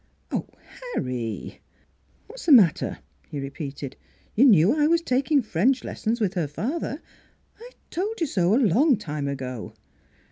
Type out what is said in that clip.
" "Oh, Harry!" "What's the matter?" he repeated. "You knew I was taking French lessons with her father. I told you so, a long time ago."